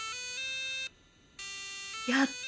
やった！